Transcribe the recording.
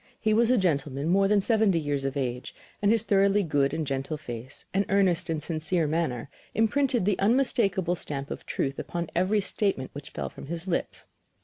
He was a gentleman more than seventy years of age, and his thoroughly good and gentle face and earnest and sincere manner imprinted the unmistakable stamp of truth upon every statement which fell from his lips.